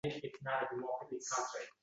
Bunda oppoq jildli kitob olsang ham